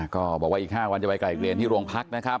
ก็บอกว่าอีก๕วันจะไปไกลเกลียนที่โรงพักนะครับ